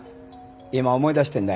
今思い出してんだよ。